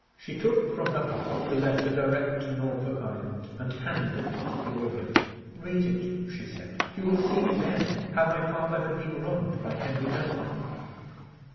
She took from her pocket the letter directed to Norfolk Island, and handed it to the lawyer. "Read it," she said; "you will see then how my father had been wronged by Henry Dunbar."